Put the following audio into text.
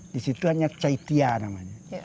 di situ hanya chaitia namanya